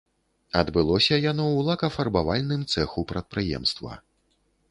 Адбылося яно ў лакафарбавальным цэху прадпрыемства.